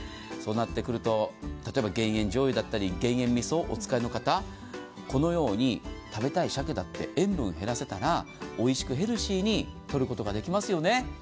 そうなってくると、例えば減塩じょうゆだったり減塩みそをお使いの方、このように食べたいしゃけだって、塩分減らせたら、おいしく、ヘルシーに食べることができますよね。